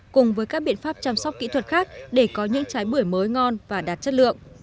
cùng với các biện pháp chăm sóc kỹ thuật khác để có những trái bưởi mới ngon và đạt chất lượng